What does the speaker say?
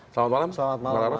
selamat malam mas